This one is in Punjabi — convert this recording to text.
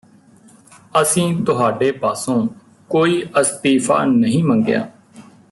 ਅਸੀਂ ਤੁਹਾਡੇ ਪਾਸੋਂ ਕੋਈ ਅਸਤੀਫਾ ਨਹੀਂ ਮੰਗਿਆ